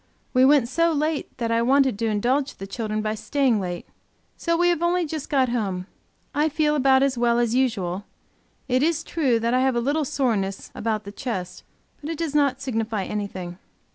We went so late that I wanted to indulge the children by staying late. So we have only just got home. I feel about as well as usual; it is true I have a little soreness a bout the chest, but it does not signify anything.